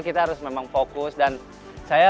kita harus memang fokus dan saya